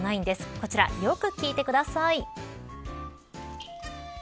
こちら、よく聞いてくださいね。